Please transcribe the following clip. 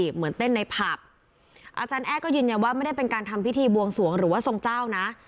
เหมือนเต้นในผับอาจารย์แอ้ก็ยืนยันว่าไม่ได้เป็นการทำพิธีบวงสวงหรือว่าทรงเจ้านะ